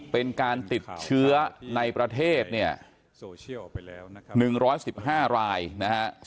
เป็นการติดเชื้อในประเทศเนี่ย๑๑๕รายนะฮะ